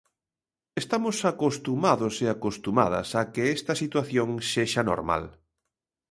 Estamos acostumados e acostumadas a que esta situación sexa normal.